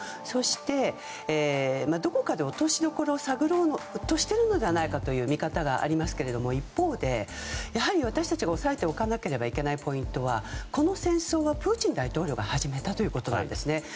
そして、どこかで落としどころを探ろうとしているのではという見方がありますけど一方で、やはり私たちが押さえておかなければならないポイントはこの戦争はプーチン大統領が始めたということなんですね。